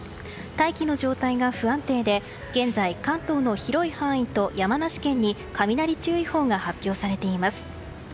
大気の状態が不安定で現在、関東の広い範囲と山梨県に雷注意報が発表されています。